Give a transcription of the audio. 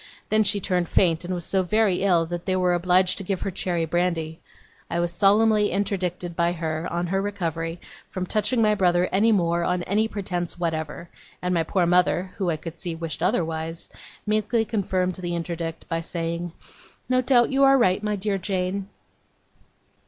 Then, she turned faint; and was so very ill that they were obliged to give her cherry brandy. I was solemnly interdicted by her, on her recovery, from touching my brother any more on any pretence whatever; and my poor mother, who, I could see, wished otherwise, meekly confirmed the interdict, by saying: 'No doubt you are right, my dear Jane.